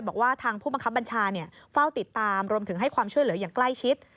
บอกว่าทางผู้บังคับบัญชาเฝ้าติดตามรวมถึงให้ความช่วยเหลืออย่างใกล้ชิด